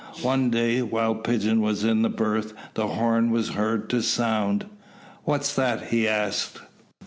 One day, while Pigeon was in the berth, the horn was heard to sound. "What's that?" he asked.